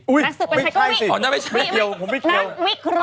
อุ้ยไม่ใช่สิเมื่อกลอ